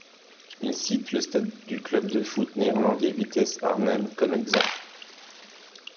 Il cite le stade du club de foot néerlandais Vitesse Arnhem comme exemple.